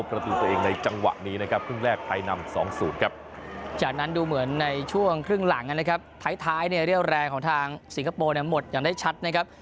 แรงของทางสิงคโปร์เนี่ยหมดอย่างได้ชัดนะครับ